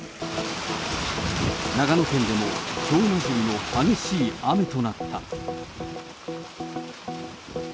長野県でもの激しい雨となった。